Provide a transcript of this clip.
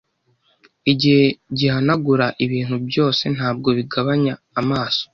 Igihe gihanagura ibintu byose ntabwo bigabanya amaso